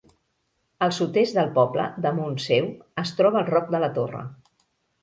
Al sud-est del poble, damunt seu, es troba el Roc de la Torre.